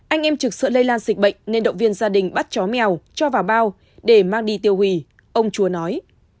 anh em trực sợ lây lan dịch bệnh nên động viên gia đình bắt chó mèo cho vào bao để mang đi tiêu hủy ông chúa nói